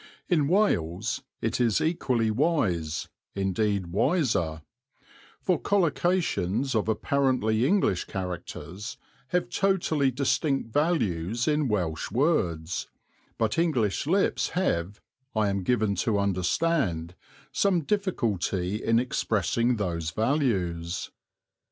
(In Wales it is equally wise, indeed wiser, for collocations of apparently English characters have totally distinct values in Welsh words, but English lips have, I am given to understand, some difficulty in expressing those values.)